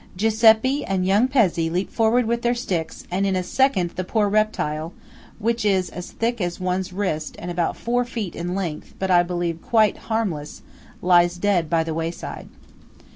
Giuseppe and young Pezzé leap forward with their sticks, and in a second the poor reptile (which is as thick as one's wrist and about four feet in length, but I believe quite harmless) lies dead by the wayside.